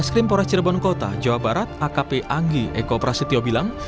traskrim pore cirebon kota jawa barat akp anggi ekooperasi tio bilang